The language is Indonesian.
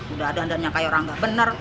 udah ada anda yang kaya orang gak bener